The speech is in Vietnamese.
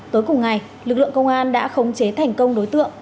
tối cùng ngày lực lượng công an đã khống chế thành công đối tượng